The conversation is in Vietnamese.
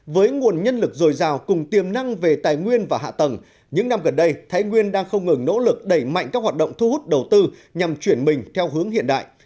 với nguồn nhân lực dồi dào cùng tiềm năng về tài nguyên và hạ tầng những năm gần đây thái nguyên đang không ngừng nỗ lực đẩy mạnh các hoạt động thu hút đầu tư nhằm chuyển mình theo hướng hiện đại